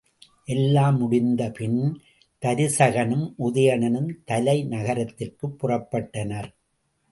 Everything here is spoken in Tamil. எல்லாம் முடிந்து பின் தருசகனும் உதயணனும் தலை நகரத்திற்குப் புறப்பட்டனர்.